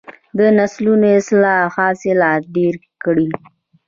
د نسلونو اصلاح حاصلات ډیر کړي.